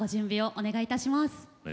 お願いいたします。